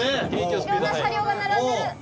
いろんな車両が並んでる。